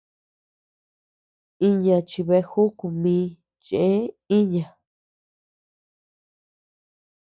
Iña chi beajuku mi cheë iña.